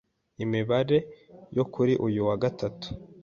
Imibare yo kuri uyu wa Gatanu